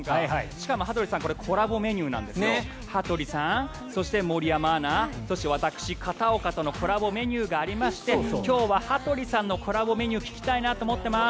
しかも羽鳥さん、これコラボメニューなんですよ羽鳥さん、森山アナそして私、片岡とのコラボメニューがありまして今日は羽鳥さんのコラボメニューを聞きたいなと思ってます。